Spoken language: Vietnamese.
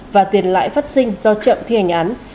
và tiền lãi phát sinh do chậm thi hành án